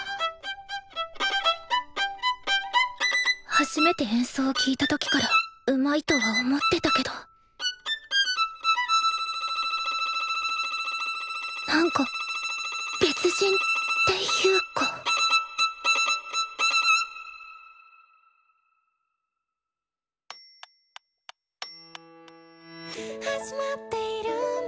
初めて演奏を聴いた時からうまいとは思ってたけどなんか別人っていうか「始まっているんだ